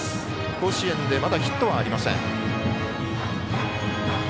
甲子園でまだヒットはありません。